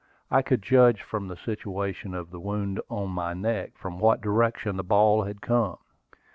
I could judge from the situation of the wound on my neck from what direction the ball had come.